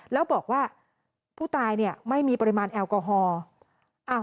แล้วบอกว่าผู้ตายเนี่ยไม่มีปริมาณแอลกอฮอล์